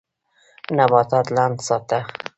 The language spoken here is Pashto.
نباتات لند ساته.